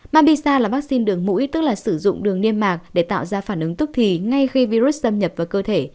mamisa là vaccine đường mũi tức là sử dụng đường niêm mạc để tạo ra phản ứng tức thì ngay khi virus xâm nhập vào cơ thể